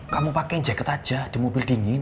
kamu pakai jaket aja di mobil dingin